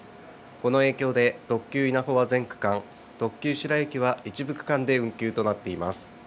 この影響で、特急いなほは全区間、特急しらゆきは一部区間で運休となっています。